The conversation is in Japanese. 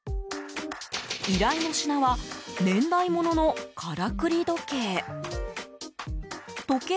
依頼の品は年代もののからくり時計。